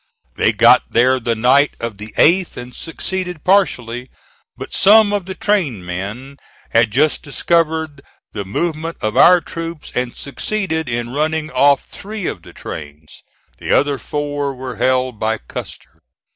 They got there the night of the 8th, and succeeded partially; but some of the train men had just discovered the movement of our troops and succeeded in running off three of the trains. The other four were held by Custer.